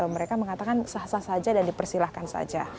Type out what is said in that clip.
mereka mengatakan sah sah saja dan dipersilahkan saja